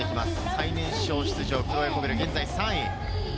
最年少出場、クロエ・コベル、現在３位。